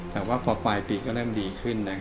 แต่ว่าพอปลายปีก็เริ่มดีขึ้น